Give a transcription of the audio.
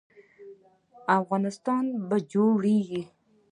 افغانستان به جوړیږي؟